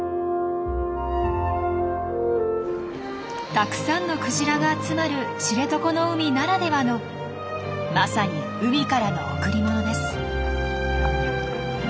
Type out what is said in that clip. たくさんのクジラが集まる知床の海ならではのまさに「海からの贈り物」です。